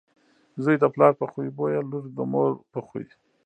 زوی دپلار په خوی بويه، لور دمور په خوی .